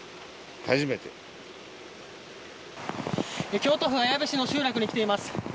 京都府綾部市の集落に来ています。